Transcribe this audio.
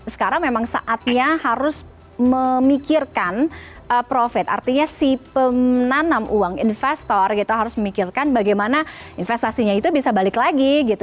sekarang memang saatnya harus memikirkan profit artinya si penanam uang investor gitu harus memikirkan bagaimana investasinya itu bisa balik lagi gitu